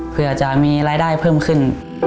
เพื่อจะมีรายได้เพิ่มขึ้น